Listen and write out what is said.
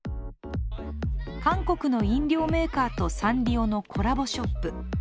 韓国の飲料メーカーとサンリオのコラボショップ。